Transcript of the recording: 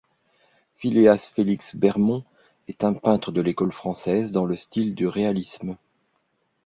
Philéas Félix Bermond est un peintre de l’école française, dans le style du réalisme.